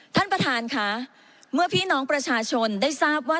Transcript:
ท่านประธานค่ะเมื่อพี่น้องประชาชนได้ทราบว่า